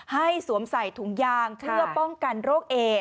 สวมใส่ถุงยางเพื่อป้องกันโรคเอ